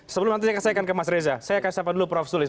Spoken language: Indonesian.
sebelum nanti saya akan ke mas reza saya kasih tahu dulu prof sulis